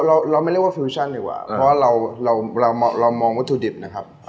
เราเราไม่เรียกว่าฟิวชั่นดีกว่าเพราะว่าเราเรามองวัตถุดิบนะครับ